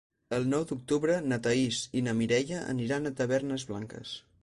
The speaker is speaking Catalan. El nou d'octubre na Thaís i na Mireia aniran a Tavernes Blanques.